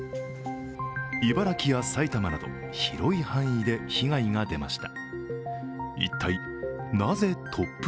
茨城や、埼玉など、広い範囲で被害が出ました。